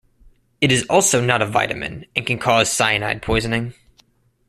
It is also not a vitamin, and can cause cyanide poisoning.